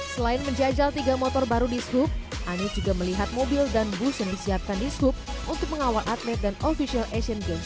selain menjajal tiga motor baru di sub anies juga melihat mobil dan bus yang disiapkan di sub untuk mengawal atlet dan official asian games dua ribu delapan belas